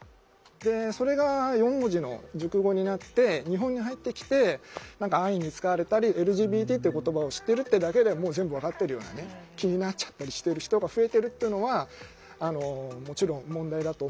それが４文字の熟語になって日本に入ってきて何か安易に使われたりＬＧＢＴっていう言葉を知ってるってだけでもう全部分かってるような気になっちゃったりしてる人が増えてるっていうのはもちろん問題だと思ってます。